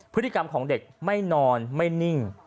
พฤติกรรมของเด็กไม่นอนไม่นิ่ง